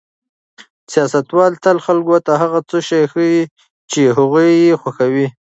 سیاستوال تل خلکو ته هغه څه ښيي چې هغوی یې خوښوي.